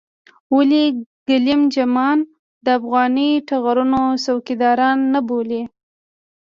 ولې ګېلم جمان د افغاني ټغرونو څوکيداران نه بولې.